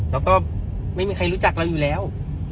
แล้วก็ไม่มีใครรู้จักเราอยู่แล้ว